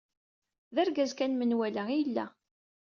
D argaz kan n menwala i yella.